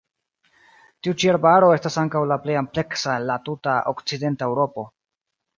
Tiu ĉi arbaro estas ankaŭ la plej ampleksa el la tuta okcidenta Eŭropo.